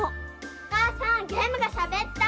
おかあさんゲームがしゃべった。